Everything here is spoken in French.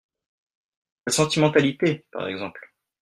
La sentimentalité, par exemple.